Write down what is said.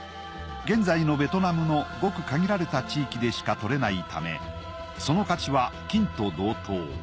現在のベトナムのごく限られた地域でしか採れないためその価値は金と同等。